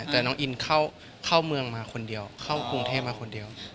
แต่น้องอินเข้าเมืองมาคนเดียวเข้ากรุงเทพมาคนเดียว